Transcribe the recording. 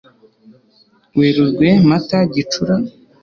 werurwe, mata, gicura